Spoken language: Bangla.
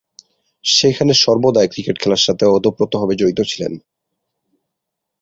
সেখানে সর্বদাই ক্রিকেট খেলার সাথে ওতপ্রোতভাবে জড়িয়ে ছিলেন।